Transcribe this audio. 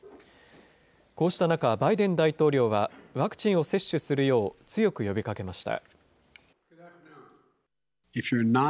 こうした中、バイデン大統領はワクチンを接種するよう、強く呼びかけました。